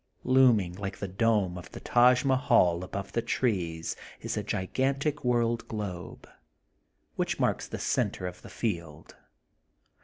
Looming like the dome of the Taj Mahal above the trees is a gigantic world globe, which marks the center of the field.